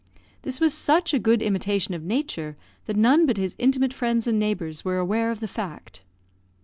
This was such a good imitation of nature, that none but his intimate friends and neighbours were aware of the fact.